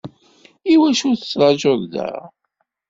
Iwacu ur tettrajuḍ da?